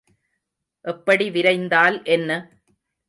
எப்படி விரைந்தால் என்ன?